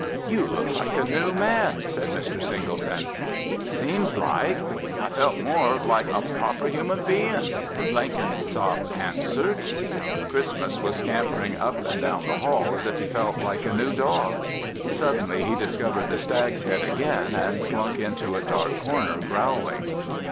"You look like a new man," said Mr. Singleton. "Seems like, I felt more like a proper human bein'," Blenkinsop answered. Christmas was scampering up and down the hall as if he felt like a new dog. Suddenly he discovered the stag's head again and slunk into a dark corner growling.